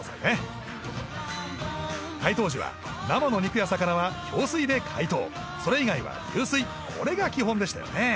解凍時は生の肉や魚は氷水で解凍それ以外は流水これが基本でしたよね